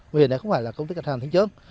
bởi vì này không phải là công ty cắt hàng thị trấn